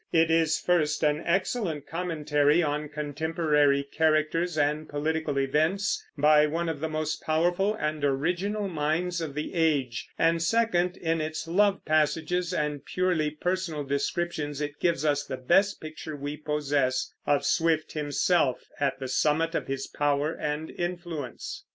It is, first, an excellent commentary on contemporary characters and political events, by one of the most powerful and original minds of the age; and second, in its love passages and purely personal descriptions it gives us the best picture we possess of Swift himself at the summit of his power and influence.